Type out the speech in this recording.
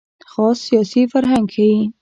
خاص سیاسي فرهنګ ښيي.